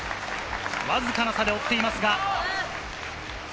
わずかな差で追っています。